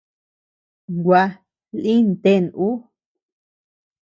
Gua, lïn ten ú.